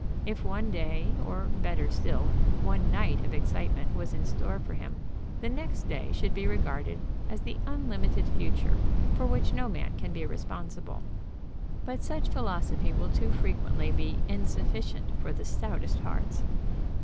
If one day, or better still, one night of excitement was in store for him, the next day should be regarded as the unlimited future, for which no man can be responsible. But such philosophy will too frequently be insufficient for the stoutest hearts.